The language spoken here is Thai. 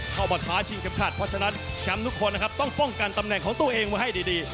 บัตรท้าชิงเข็มขัดเพราะฉะนั้นแชมป์ทุกคนนะครับต้องป้องกันตำแหน่งของตัวเองไว้ให้ดี